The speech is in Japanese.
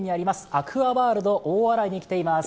アクアワールド大洗に来ています。